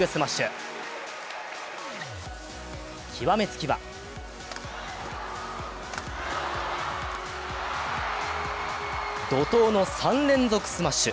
極めつきは極めつきは怒とうの３連続スマッシュ。